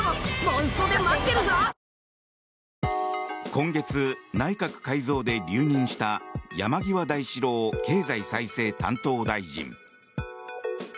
今月、内閣改造で留任した山際大志郎経済再生担当大臣。